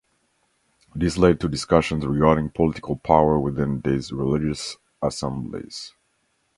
This led to discussions regarding political power within these religious assemblies.